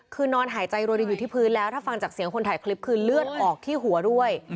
คือนอนหายใจโรยรินอยู่ที่พื้นแล้วถ้าฟังจากเสียงคนถ่ายคลิปคือเลือดออกที่หัวด้วย